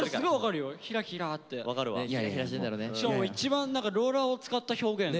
しかも一番何かローラーを使った表現。